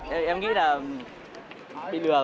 em nghĩ là bị lừa